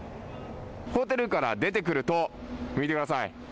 ホテルから出てくると見てください。